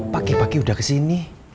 pagi pagi udah kesini